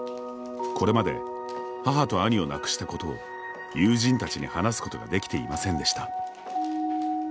これまで母と兄を亡くしたことを友人たちに話すことができていませんでした。